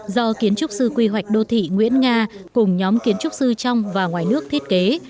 do kiến trúc sư quy hoạch đô thị nguyễn nga cùng nhóm kiến trúc sư trong và ngoài nước thiết kế